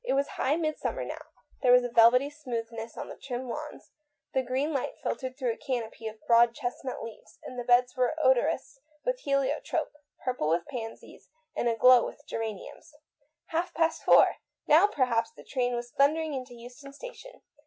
It was high midsummer now ; there was a velvety smoothness on the trim lawns, the green light filtered through a canopy of broad chestnut leaves, and the beds were odorous with helio trope, purple with pansies, and aglow with rosy geraniums. Four o'clock ! Now per haps the train was thundering into Euston Station.